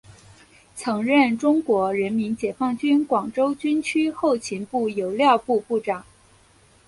曾任中国人民解放军广州军区后勤部油料部部长。